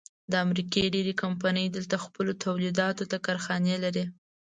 د امریکې ډېرۍ کمپنۍ دلته خپلو تولیداتو ته کارخانې لري.